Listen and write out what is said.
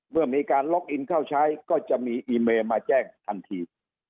เมื่อมีการล็อกอินเข้าใช้ก็จะมีอีเมย์มาแจ้งทันที